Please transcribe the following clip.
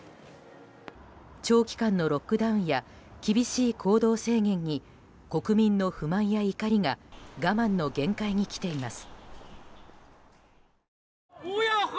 長期間のロックダウンや厳しい行動制限に国民の不満や怒りが我慢の限界に来ています。